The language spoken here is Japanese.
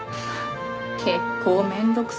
結構面倒くさい人ね。